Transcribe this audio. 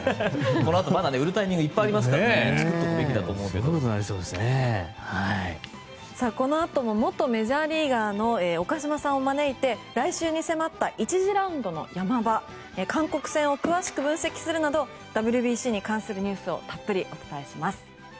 このあと売るタイミングはまだありますからこのあとも元メジャーリーガーの岡島さんを招いて来週に迫った１次ラウンドの山場韓国戦を詳しく分析するなどＷＢＣに関するニュースをたっぷりお伝えします。